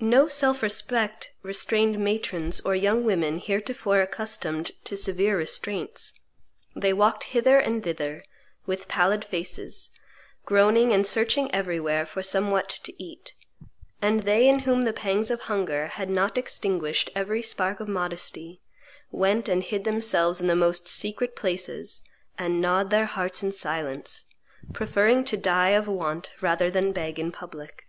No self respect restrained matrons or young women heretofore accustomed to severe restraints; they walked hither and thither, with pallid faces, groaning and searching everywhere for somewhat to eat; and they in whom the pangs of hunger had not extinguished every spark of modesty went and hid themselves in the most secret places, and gnawed their hearts in silence, preferring to die of want rather than beg in public.